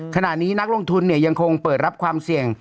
ขณะนี้นักลงทุนยังคงเปิดรับความเสี่ยง